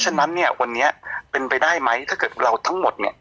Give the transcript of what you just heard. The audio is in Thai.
ฉะนั้นเนี่ยวันนี้เป็นไปได้ไหมถ้าเกิดเราทั้งหมดเนี่ย